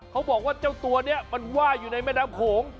เขาบอกว่าเจ้าตัวนี้มันว่ายอยู่ในแม่น้ำโขง